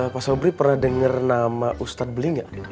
pak sobri pernah denger nama ustadz beling gak